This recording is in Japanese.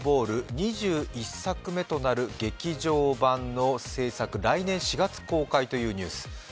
２１作目となる劇場版の製作、来年４月公開というニュース。